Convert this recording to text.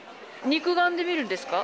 肉眼で見るんですか？